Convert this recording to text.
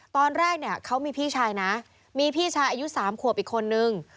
ตอนแรกเนี่ยเขามีพี่ชายนะมีพี่ชายอายุ๓ขวบอีกคนนึง